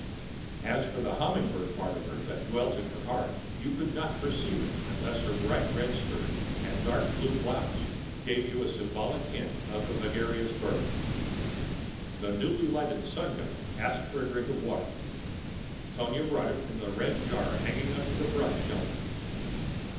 As for the humming bird part of her, that dwelt in her heart; you could not perceive it unless her bright red skirt and dark blue blouse gave you a symbolic hint of the vagarious bird. The newly lighted sun god asked for a drink of water. Tonia brought it from the red jar hanging under the brush shelter.